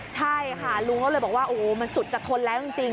ใช่ค่ะลุงก็เลยบอกว่าโอ้โหมันสุดจะทนแล้วจริง